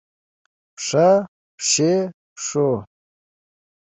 پښه ، پښې ، پښو